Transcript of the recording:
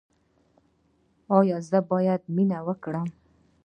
ایا زه باید مینه وکړم؟